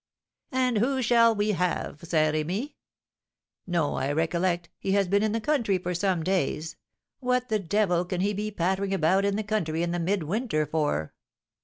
"And who shall we have, Saint Remy? No, I recollect; he has been in the country for some days. What the devil can he be pattering about in the country in the mid winter for?"